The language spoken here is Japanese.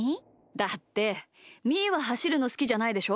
だってみーははしるのすきじゃないでしょ？